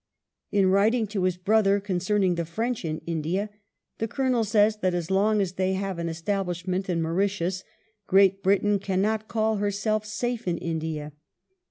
In writing to his brother concerning the French in India, the Colonel says that as long as they have an establish ment in the Mauritius, " Great Britain cannot call herself safe in India."